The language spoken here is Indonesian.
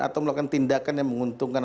atau melakukan tindakan yang menguntungkan